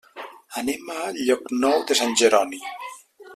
Anem a Llocnou de Sant Jeroni.